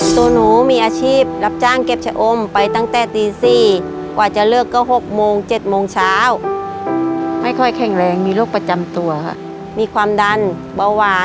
ตัวหนูมีอาชีพ